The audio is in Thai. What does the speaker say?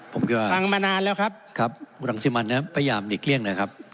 ผมคิดว่าฟังมานานแล้วครับครับรังสิมันนะครับพยายามหลีกเลี่ยงนะครับ